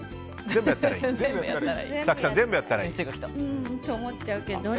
全部やったらいい。って思っちゃうけど。